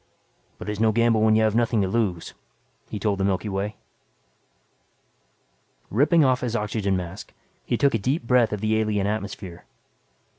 "But it's no gamble when you have nothing to lose," he told the Milky Way. Ripping off his oxygen mask, he took a deep breath of the alien atmosphere.